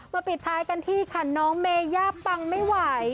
ปิดท้ายกันที่ขันน้องเมย่าปังไม่ไหว